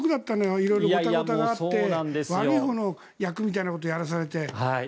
いろいろごたごたがあって悪いほうの役みたいなことをやらされて。